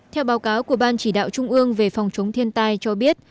theo báo cáo của ban chỉ đạo trung ương về phòng chống thiên tai cho biết